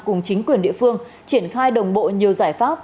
cùng chính quyền địa phương triển khai đồng bộ nhiều giải pháp